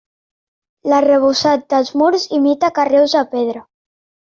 L'arrebossat dels murs imita carreus de pedra.